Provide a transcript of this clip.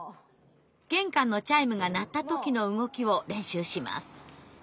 玄関のチャイムが鳴った時の動きを練習します。